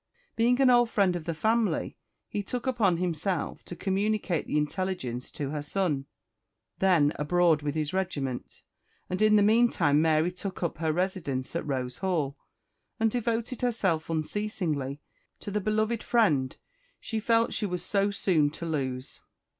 Being an old friend of the family, he took upon himself to communicate the intelligence to her son, then abroad with his regiment; and in the meantime Mary took up her residence at Rose Hall, and devoted herself unceasingly to the beloved friend she felt she was so soon to lose.